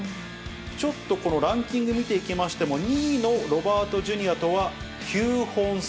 ちょっとこのランキング見ていきましても、２位のロバートＪｒ．とは９本差。